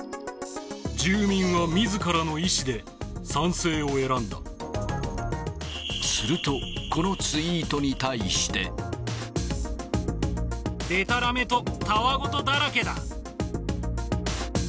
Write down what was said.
住民はみずからの意思で賛成すると、このツイートに対して。でたらめとたわ言だらけだ！